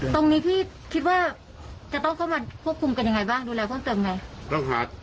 ตรงนี้พี่คิดว่าจะต้องเข้ามาควบคุมกันยังไงบ้างดูแลเพิ่มเติมไง